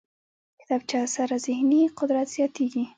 کتابچه سره ذهني قدرت زیاتېږي